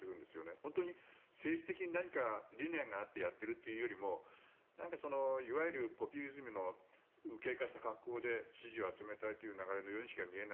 本当に政治的に理念があってやっているというよりもいわゆるポピュリズムの右傾化した格好で支持を集めたいという流れは見えない。